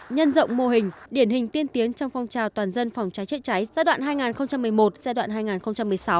nhân rộng mô hình điển hình tiên tiến trong phong trào toàn dân phòng cháy trị cháy giai đoạn hai nghìn một mươi một hai nghìn một mươi sáu